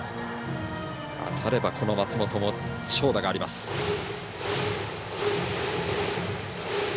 当たれば松本も長打があります。